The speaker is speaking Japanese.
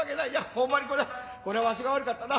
ほんまにこりゃこりゃわしが悪かったな。